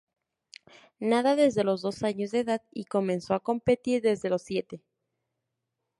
Nada desde los dos años de edad y comenzó a competir desde los siete.